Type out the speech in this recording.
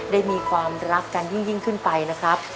ได้มีความรักกันยิ่งขึ้นไปนะครับ